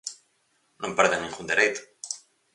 Non perden ningún dereito.